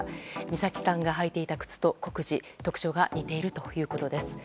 美咲さんが履いていた靴と酷似特徴が似ているということです。